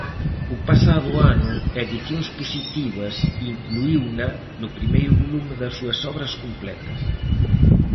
O pasado ano, Edicións Positivas incluíuna no primeiro volume das súas Obras Completas.